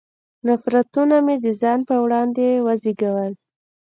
نفرتونه مې د ځان پر وړاندې وزېږول.